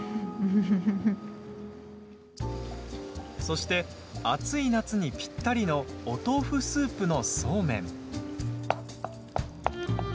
そして、暑い夏にぴったりのお豆腐スープのそうめん。